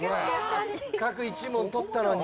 せっかく１問取ったのに。